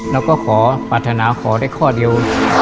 เราก็ขอปรัฐนาขอได้ข้อเดียว